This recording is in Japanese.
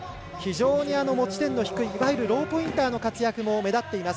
非常に持ち点の低いいわゆるローポインターの活躍も目立っています